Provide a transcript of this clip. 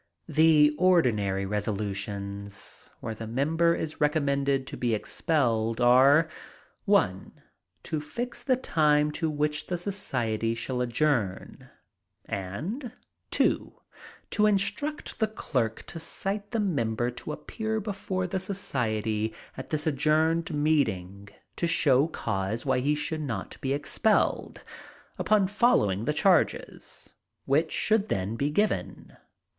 The ordinary resolutions, where the member is recommended to be expelled, are (1) to fix the time to which the society shall adjourn; and (2) to instruct the clerk to cite the member to appear before the society at this adjourned meeting to show cause why he should not be expelled, upon the following charges, which should then be given.